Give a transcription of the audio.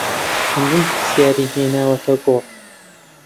چەندین پرسیاری هێناوەتە گۆڕ